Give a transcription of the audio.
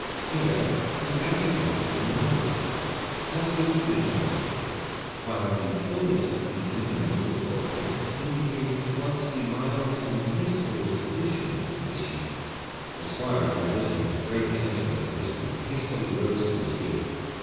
Here combativeness is a nullity absolutely wanting while the fullness of the sentimental organs indicate at once the mild and peaceful disposition of the sheep." The squire, who had listened with great attention up to this point, hastily rose to his feet.